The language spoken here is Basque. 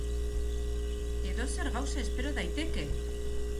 Edozer gauza espero daiteke!